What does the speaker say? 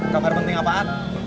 kabar penting apaan